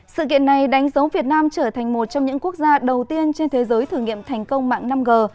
sự kiện này đánh dấu việt nam trở thành một trong những quốc gia đầu tiên trên thế giới thử nghiệm thành công mạng năm g